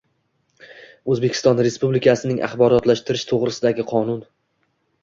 O‘zbekiston Respublikasining “Axborotlashtirish to‘g‘risida”gi Qonun